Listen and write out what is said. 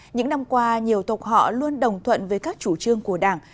những năm qua nhiều tộc họ luôn đồng thuận với các chủ trương của đảng